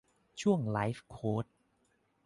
ช่วงไลฟ์โค้ช